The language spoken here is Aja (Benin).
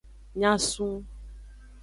Nyasun.